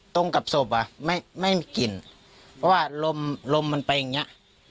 ตรงกับศพอ่ะไม่มีกลิ่นเพราะว่าลมลมมันไปอย่างเงี้ย